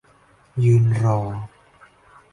ยืนรอ